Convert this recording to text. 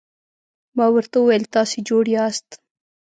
ما ورته وویل: تاسي جوړ یاست؟